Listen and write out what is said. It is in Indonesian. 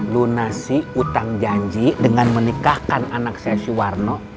lu nasi utang janji dengan menikahkan anak saya siwarno